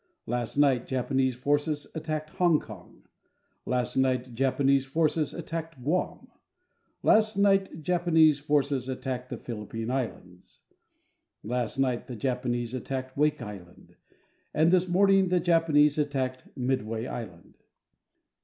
Last night, Japanese forces attacked Hong Kong. Last night, Japanese forces attacked Guam. Last night, Japanese forces attacked the Philippine Islands. Last night, the Japanese attacked Wake Island. And this morning, the Japanese attacked Midway Island.